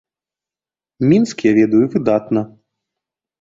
Мінск я ведаю выдатна.